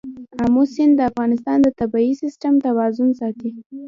آمو سیند د افغانستان د طبعي سیسټم توازن ساتي.